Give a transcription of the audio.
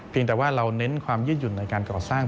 แต่ว่าเราเน้นความยืดหยุ่นในการก่อสร้าง